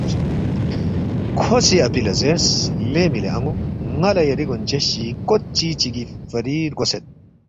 کھو سی اپی لہ زیرس، ”لے مِلی ان٘و ن٘ا لہ یری گونچس چی کوتچی چِگی فری رگوسید